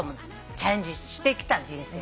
チャレンジしてきた人生。